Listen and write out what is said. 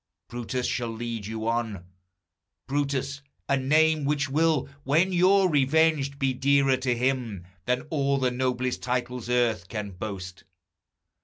Brutus shall lead you on; Brutus, a name Which will, when you're revenged, be dearer to him Than all the noblest titles earth can boast.